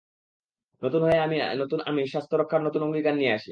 নতুন হয়ে আমি, নতুন আমি, স্বাস্থ্য রক্ষার নতুন অঙ্গীকার নিয়ে আসি।